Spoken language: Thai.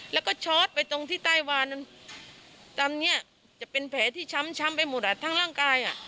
แล้วก็ชอตไปตรงที่ใต้วานตามนี้จะเป็นแผลที่ช้ำไปหมดอ่ะทั้งร่างกาย